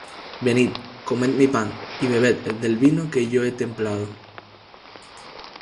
Venid, comed mi pan, Y bebed del vino que yo he templado.